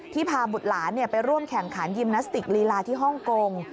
พาบุตรหลานไปร่วมแข่งขันยิมนาสติกลีลาที่ฮ่องกง